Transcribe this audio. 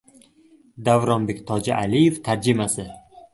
Davronbek Tojialiyev tarjimasi.